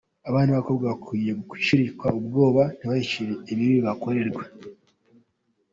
Abana b’abakobwa bakwiye gushirika ubwoba ntibahishire ibibi bibakorerwa.